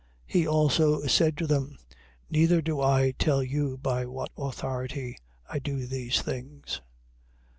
He also said to them: Neither do I tell you by what authority I do these things.